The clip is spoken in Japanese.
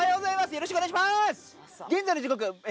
よろしくお願いします！